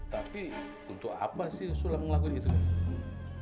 tapi untuk apa sih sulam ngelakuin gitu mbak